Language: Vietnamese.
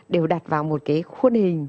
đều đặt vào một cái khuôn hình